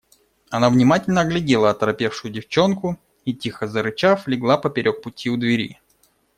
Она внимательно оглядела оторопевшую девчонку и, тихо зарычав, легла поперек пути у двери.